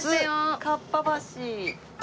初かっぱ橋。